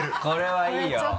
これはいいよ。